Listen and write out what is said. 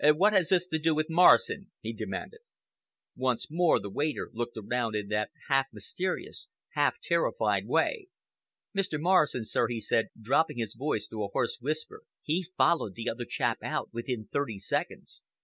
"What has this to do with Morrison?" he demanded. Once more the waiter looked around in that half mysterious, half terrified way. "Mr. Morrison, sir," he said, dropping his voice to a hoarse whisper, "he followed the other chap out within thirty seconds.